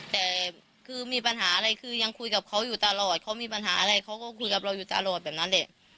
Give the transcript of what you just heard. แต่คือมีปัญหาอะไรคือยังคุยกับเขาอยู่ตลอดเขามีปัญหาอะไรเขาก็คุยกับเราอยู่ตลอดแบบนั้นแหละ